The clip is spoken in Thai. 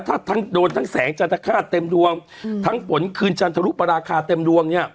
ถ้าโดนทั้งแสงจันทร์ฆาตเต็มดวง